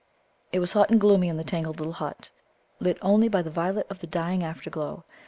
It was hot and gloomy in the tangled little hut, lit only by the violet of the dying afterglow.